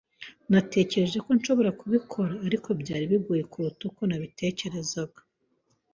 Natekereje ko nshobora kubikora, ariko byari bigoye kuruta uko nabitekerezaga.